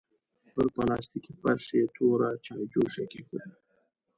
پر پلاستيکي فرش يې توره چايجوشه کېښوده.